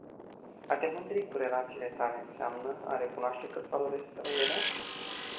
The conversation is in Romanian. A te mândri cu relațiile tale înseamnă a recunoaște cât valorezi fără ele?